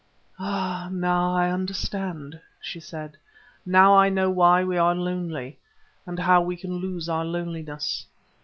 "Ah, now I understand," she said, "now I know why we are lonely, and how we can lose our loneliness.